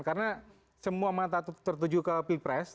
karena semua mata tertuju ke pilpres